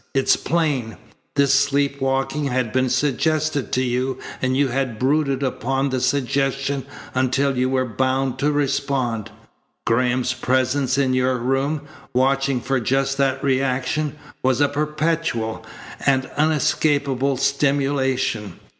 It's plain. This sleep walking had been suggested to you and you had brooded upon the suggestion until you were bound to respond. Graham's presence in your room, watching for just that reaction, was a perpetual, an unescapable stimulation.